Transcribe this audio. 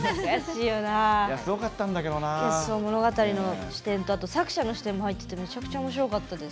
物語の視点とあと作者の視点も入っててめちゃくちゃ面白かったです。